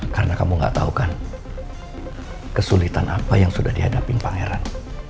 karena kamu gak tau kan kesulitan apa yang sudah dihadapi pangeran